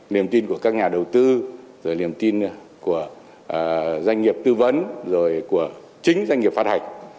niềm tin của các nhà đầu tư rồi niềm tin của doanh nghiệp tư vấn rồi của chính doanh nghiệp phát hành